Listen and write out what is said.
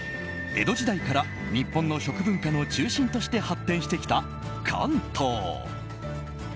江戸時代から日本の食文化の中心として発展してきた、関東。